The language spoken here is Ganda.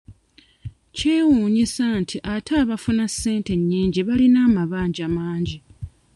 Kyewuunyisa nti ate abafuna ssente ennyingi balina amabanja mangi.